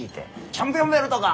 チャンピオンベルトか！